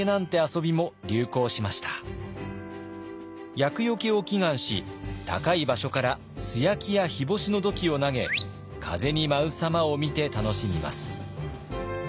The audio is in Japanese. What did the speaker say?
厄よけを祈願し高い場所から素焼きや日干しの土器を投げ風に舞うさまを見て楽しみます。